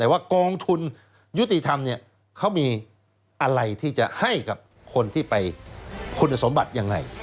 แต่ว่ากองทุนยุติธรรมเขามีอะไรที่จะให้กับคนที่ไปคุณสมบัติยังไง